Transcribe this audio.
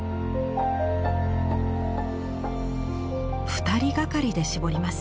２人がかりで絞ります。